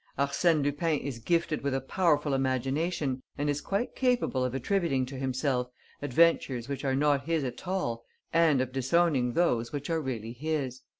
Arsène Lupin is gifted with a powerful imagination and is quite capable of attributing to himself adventures which are not his at all and of disowning those which are really his.